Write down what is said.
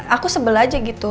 aku sebel aja gitu